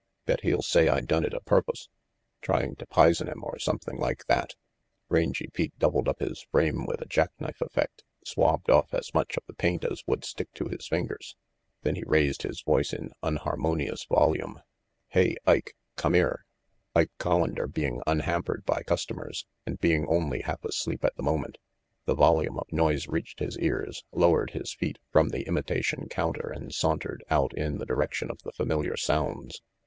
Bet he'll say I done it apurpos. Trying to pisen him, or something like that." Rangy Pete doubled up his frame with a jack knife effect, swabbed off as much of the^paint as would stick to his fingers, then he raised his voice in unhar monious volume. [. "Hey, Ike! Cummere." Ike Collander, being unhampered by customers, and being only half asleep at the moment the volume of noise reached his ears, lowered his feet from the imitation counter and sauntered out in the direction of the familiar sounds.